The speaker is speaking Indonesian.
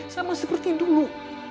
sama seperti dulu